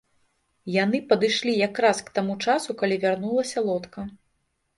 Яны падышлі якраз к таму часу, калі вярнулася лодка.